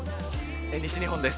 西日本です。